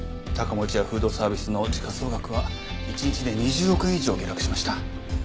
高持屋フードサービスの時価総額は一日で２０億円以上下落しました。